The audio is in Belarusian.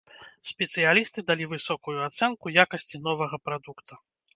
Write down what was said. Спецыялісты далі высокую ацэнку якасці новага прадукта.